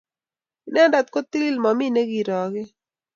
Inendet ko TiIiI - mami ne kiroge.